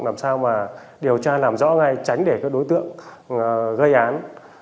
làm sao mà điều tra làm rõ ngay tránh để các đối tượng gây án